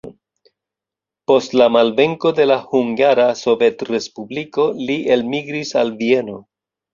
Post la malvenko de la Hungara Sovetrespubliko, li elmigris al Vieno.